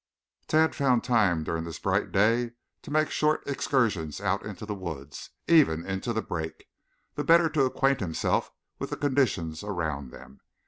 Tad found time during this bright day to make short excursions out into the woods, even into the brake, the better to acquaint himself with the conditions round about them.